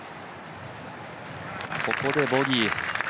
ここでボギー。